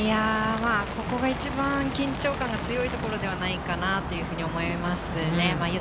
ここが一番、緊張感が強いところではないかなっていうふうに思いますね。